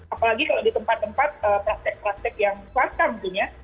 apalagi kalau di tempat tempat plastik plastik yang kelas kan sebetulnya